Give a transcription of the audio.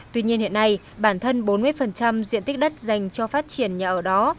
tuy nhiên hiện nay bản thân bốn mươi diện tích đất dành cho phát triển nhà ở đó